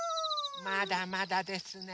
まだまだですね。